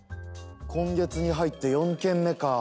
今月に入って４件目か。